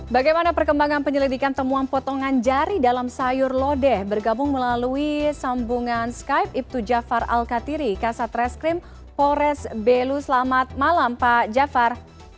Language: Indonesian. bagaimana perkembangan penyelidikan temuan potongan jari dalam sayur lodeh bergabung melalui sambungan skype ibtu jafar al katiri kasat reskrim polres belu selamat malam pak jafar